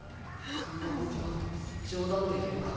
こんなこと冗談で言うか。